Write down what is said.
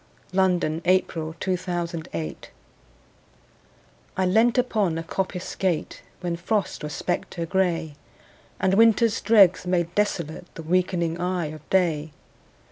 Thomas Hardy The Darkling Thrush I LEANT upon a coppice gate, When Frost was spectre gray, And Winter's dregs made desolate The weakening eye of day.